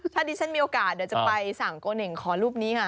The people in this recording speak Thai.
ถ้าดิฉันมีโอกาสเดี๋ยวจะไปสั่งโกเน่งขอรูปนี้ค่ะ